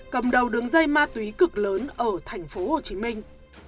cầm đầu đường dây ma túy cực lớn ở thành phố hồ chí minh